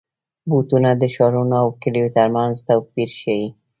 بوټونه د ښارونو او کلیو ترمنځ توپیر ښيي.